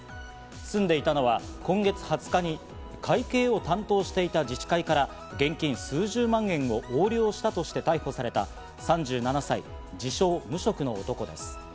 住んでいたのは今月２０日に会計を担当していた自治会から現金数十万円を横領したとして逮捕された３７歳、自称・無職の男です。